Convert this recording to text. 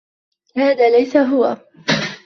هذا ليس هو.